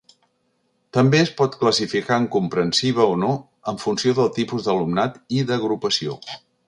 També es pot classificar en comprensiva o no en funció del tipus d'alumnat i d'agrupació.